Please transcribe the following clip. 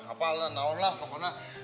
apa nen nah on lah